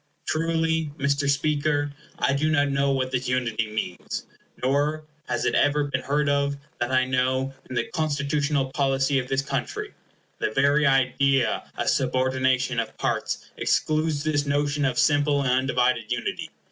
Truly, Mr. Speaker, I do not know what this unity means, nor has it ever been heard of, that I know, in the constitutional policy of this country. The very idea of subordination of parts excludes this notion of simple and undivided unity.